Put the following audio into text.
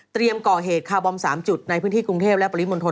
ก่อเหตุคาร์บอม๓จุดในพื้นที่กรุงเทพและปริมณฑล